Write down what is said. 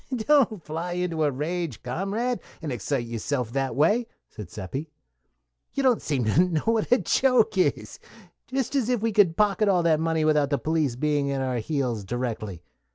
"Don't fly into a rage, comrade, and excite yourself that way," said Seppi. "You don't seem to know what a joke is. Just as if we could pocket all that money without the police being at our heels directly.